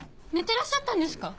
てらっしゃったんですか？